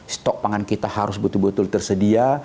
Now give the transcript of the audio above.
stok pangan kita harus betul betul tersedia